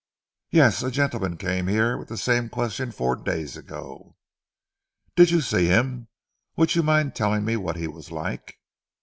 "Yes, a gentleman came here with the same question four days ago." "Did you see him? Would you mind telling me what he was like?"